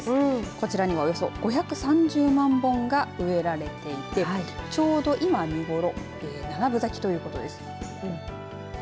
こちらには、およそ５３０万本が植えられていてちょうど今、見頃七分咲きということです。